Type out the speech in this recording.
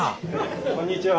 こんにちは。